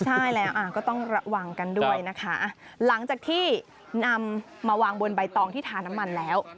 ใช่แล้วก็ต้องระวังกันด้วยนะคะหลังจากที่นำมาวางบนใบตองที่ทาน้ำมันแล้ว